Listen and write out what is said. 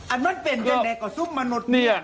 อันนั้นเป็นจะไหนกว่าสุขมนุษย์เนี่ย